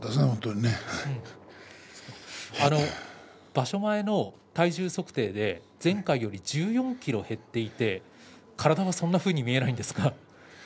場所前の体重測定前回より１４ｋｇ減っていて体はそんなふうに見えないですが。